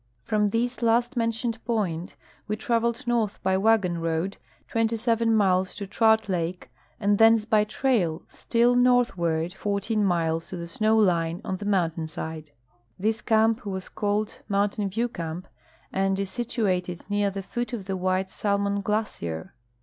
From this last mentioned point we traveled north by Avagon road 27 miles to Trout lake, and thence by trail, still northward, 14 miles to the snow line on the mountain side. This camp was called Mountain VieAV camp, and is situated near the foot of the Mdiite Salmon glacier.